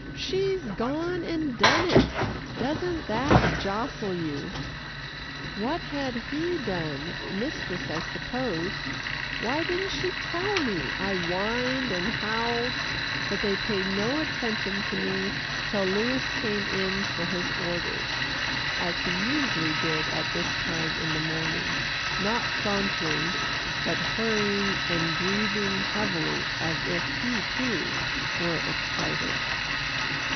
"She's gone and done it doesn't that jostle you!" What had who done mistress I supposed why didn't she tell me, and I whined and howled; but they paid no attention to me till Louis came in for his orders, as he usually did at this time in the morning, not sauntering, but hurrying and breathing heavily as if he too were excited.